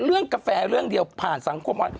เรื่องกาแฟเรื่องเดียวผ่านสังคมออนไลน์